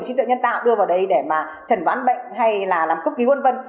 trí tuệ nhân tạo đưa vào đây để mà trần ván bệnh hay là làm cúc ký vân vân